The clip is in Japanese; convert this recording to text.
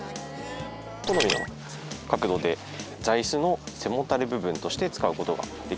好みの角度で座椅子の背もたれ部分として使う事ができます。